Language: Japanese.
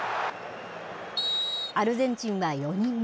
アルゼンチンは４人目。